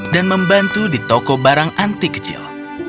dan membantu di toko barang anti kecil